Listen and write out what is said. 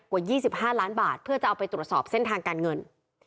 กว่า๒๕ล้านบาทเพื่อจะเอาไปตรวจสอบเส้นทางการเงิน